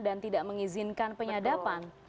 dan tidak mengizinkan penyadapan